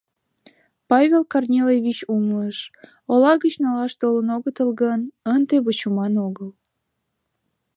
Павел Корнилович умылыш: ола гыч налаш толын огытыл гын, ынде вучыман огыл.